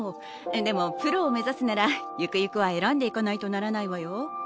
えっでもプロを目指すならゆくゆくは選んでいかないとならないわよ